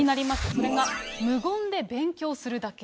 それが、無言で勉強するだけ。